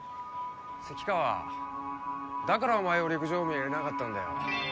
関川だからお前を陸上部には入れなかったんだよ